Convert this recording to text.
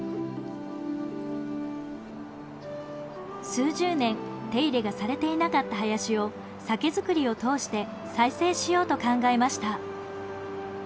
数十年手入れがされていなかった林を酒造りを通して再生しようと考えました。